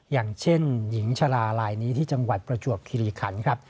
อย่างเช่นหญิงชะลาลายที่จังหวัดประจวกขิริขรรค์